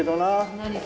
何か。